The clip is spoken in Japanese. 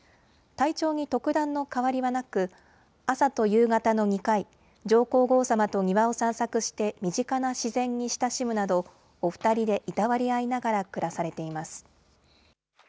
体調に特段の変わりはなく、朝と夕方の２回、上皇后さまと庭を散策して身近な自然に親しむなど、お２人でいたわり合いながら暮らされています。